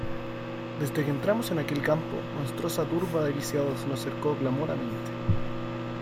desde que entramos en aquel campo, monstruosa turba de lisiados nos cercó clamorante: